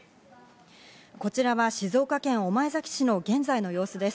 こちらは静岡県御前崎市の現在の様子です。